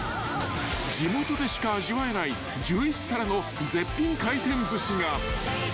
地元でしか味わえない１１皿の絶品回転寿司が］